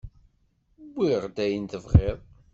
Wwiɣ-d ayen tebɣiḍ.